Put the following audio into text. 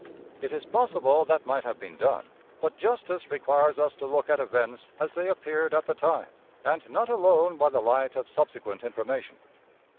It is possible that might have been done, but justice requires us to look at events as they appeared at the time, and not alone by the light of subsequent information.